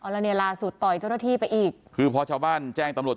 แล้วเนี่ยล่าสุดต่อยเจ้าหน้าที่ไปอีกคือพอชาวบ้านแจ้งตำรวจ